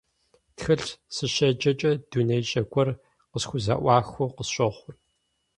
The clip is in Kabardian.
Тхылъ сыщеджэкӀэ, дунеищӀэ гуэр къысхузэӀуахыу къысщохъур.